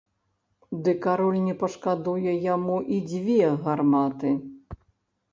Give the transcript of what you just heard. Ды кароль не пашкадуе яму і дзве гарматы!